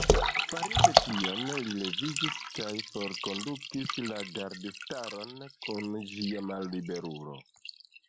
Farinte tion, li leviĝis kaj forkondukis la gardistaron kun ĝia malliberulo.